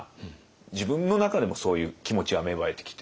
自分の中でもそういう気持ちは芽生えてきて。